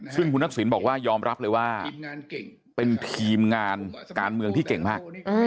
ซึ่งคุณทักษิณบอกว่ายอมรับเลยว่าเป็นทีมงานการเมืองที่เก่งมาก